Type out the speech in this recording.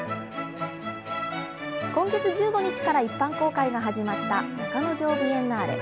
今月１５日から一般公開が始まった中之条ビエンナーレ。